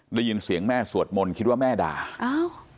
ได้ยินเสียงแม่สวดมนต์คิดว่าแม่ด่าอ้าว